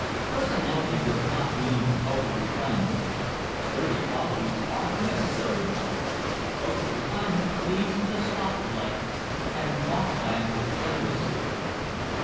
Personality does not mean over refinement. Sturdy qualities are the necessary ones. Over refinement leads to the softer life and ofttimes to degeneracy.